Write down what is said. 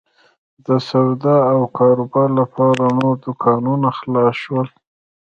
د سودا او کاروبار لپاره نور دوکانونه خلاص شول.